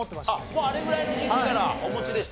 もうあれぐらいの時期からお持ちでしたか。